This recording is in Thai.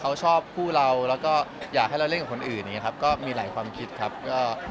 แสวได้ไงของเราก็เชียนนักอยู่ค่ะเป็นผู้ร่วมงานที่ดีมาก